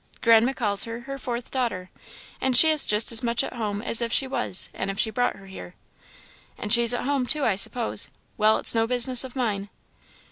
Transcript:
Grandma calls her her fourth daughter; and she is just as much at home as if she was; and she brought her here." "And she's at home, too, I suppose. Well, it's no business of mine."